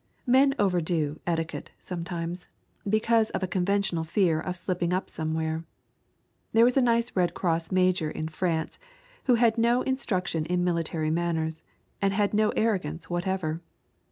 Men overdo etiquette sometimes, because of a conventional fear of slipping up somewhere. There was a nice Red Cross major in France who had had no instruction in military matters, and had no arrogance whatever.